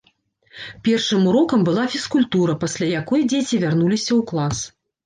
Першым урокам была фізкультура, пасля якой дзеці вярнуліся ў клас.